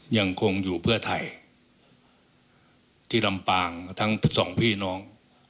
ยังคงอยู่เพื่อไทยที่ลำปางทั้งสองพี่น้อง